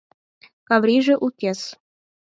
Каврийже укес.